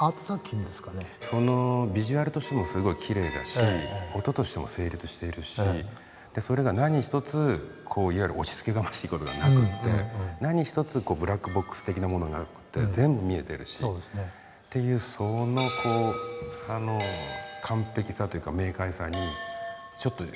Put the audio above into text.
そのビジュアルとしてもすごいきれいだし音としても成立しているしそれが何一ついわゆる押しつけがましい事がなくて何一つブラックボックス的なものがなくて全部見えてるしっていうその完璧さというか明快さにちょっとやられた感がありました。